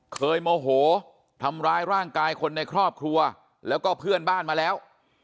โมโหทำร้ายร่างกายคนในครอบครัวแล้วก็เพื่อนบ้านมาแล้ว